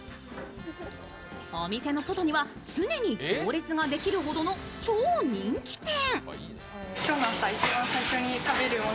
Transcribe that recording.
お店の外には常に行列ができるほどの超人気店。